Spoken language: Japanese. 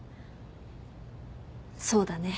そうだね。